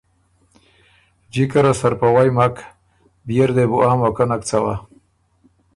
جکه ره سرپَوئ مک، بيې ر دې بُو آ موقع نک څوا۔